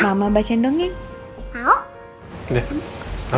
saya mau kamar dulu enggak mama baca dong